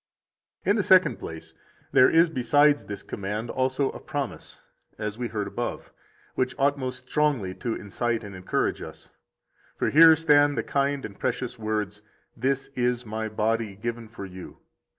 64 In the second place, there is besides this command also a promise, as we heard above, which ought most strongly to incite and encourage us. For here stand the kind and precious words: This is My body, given for you.